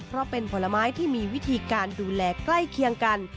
เพราะเป็นผลไม้ที่มีวิธีการดูแลใกล้เคียงกัน